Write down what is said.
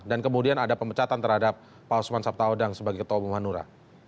dan kemudian ada pemecatan terhadap pak osman sabtaodang sebagai ketua umum hanura